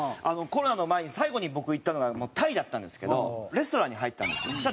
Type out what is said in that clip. コロナの前に最後に僕行ったのがタイだったんですけどレストランに入ったんですよ。